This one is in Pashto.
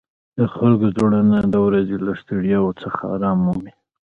د خلکو زړونه د ورځې له ستړیاوو څخه آرام مومي.